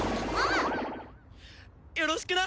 よろしくな。